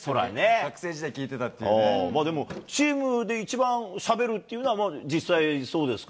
学生時代聴いてたっていうのもうでも、チームで一番しゃべるというのはもう、実際、そうですか。